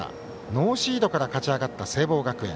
ノーシードから勝ち上がった聖望学園。